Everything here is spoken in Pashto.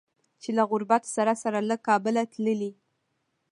چې له غربت سره سره له کابله تللي